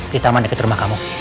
di taman dekat rumah kamu